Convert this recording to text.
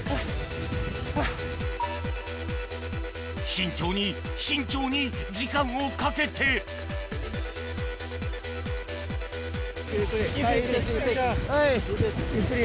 慎重に慎重に時間をかけてゆっくり。